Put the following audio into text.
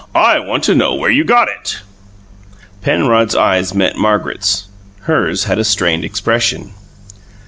"I want to know where you got it." Penrod's eyes met Margaret's: hers had a strained expression.